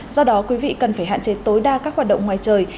do đó quý vị cần phải hạn chế tối đa các hoạt động ngoài trời